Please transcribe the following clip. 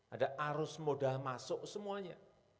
ada arus modal masuk semuanya